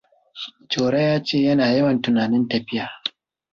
Jauro ya ce yana yawan tunanin tafiya.